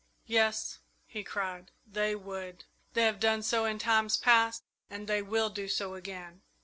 "Yes," he cried, "they would! They have done so in times past and they will do so again!